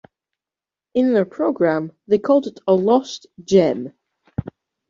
In their program they called it a lost gem.